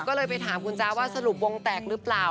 ก็เลยไปถามคุณจ๊ะว่าสรุปวงแตกหรือเปล่า